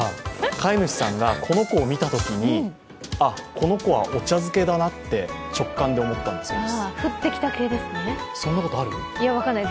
飼い主さんが、この子を見たときに、この子はお茶づけだなと直感で思ったんだそうです。